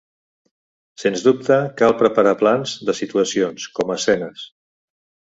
Sens dubte cal preparar plans de situacions, com a escenes.